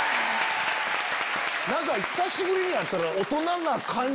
何か久しぶりに会ったら。